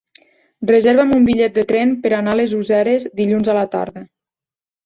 Reserva'm un bitllet de tren per anar a les Useres dilluns a la tarda.